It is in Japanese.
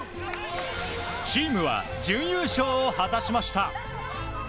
チームは準優勝を果たしました。